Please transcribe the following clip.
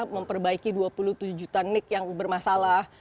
memperbaiki dua puluh tujuh juta nik yang bermasalah